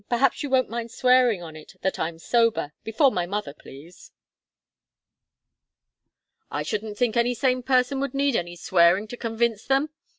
Perhaps you won't mind swearing on it that I'm sober before my mother, please." "I shouldn't think any sane person would need any swearing to convince them!"